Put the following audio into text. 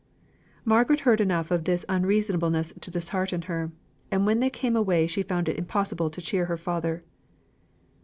Margaret heard enough of this unreasonableness to dishearten her; and when they came away she found it impossible to cheer her father.